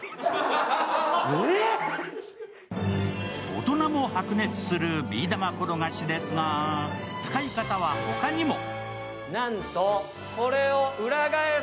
大人も白熱するビー玉転がしですが使い方は他にも。